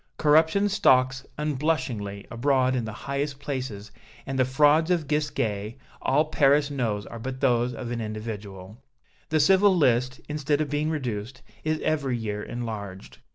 Corruption stalks unblushingly abroad in the highest places, and the frauds of Gisquet all Paris knows are but those of an individual. The civil list, instead of being reduced, is every year enlarged.